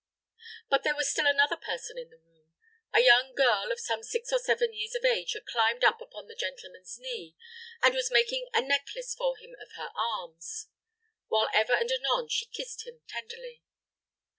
But there was still another person in the room. A young girl of some six or seven years of age had climbed up upon the gentleman's knee, and, was making a necklace for him of her arms, while ever and anon she kissed him tenderly.